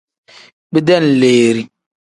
Bidenleeri.